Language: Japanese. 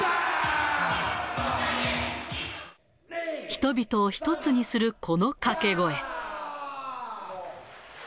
人々を一つにするこの掛け声。